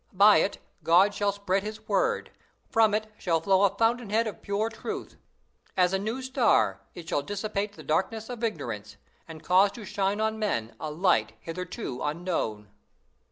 By it God shall spread his Word; from it shall flow a fountain head of pure truth. As a new star, it shall dissipate the darkness of ignorance, and cause to shine on men a light hitherto unknown!